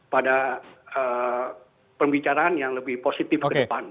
pada pembicaraan yang lebih positif ke depan